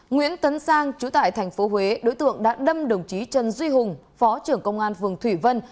nguyễn tấn sang trú tại tp huế đối tượng đã đâm đồng chí trần duy hùng phó trưởng công an vườn thủy vân